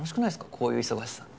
こういう忙しさ。